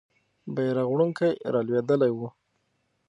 بیرغ وړونکی رالوېدلی وو.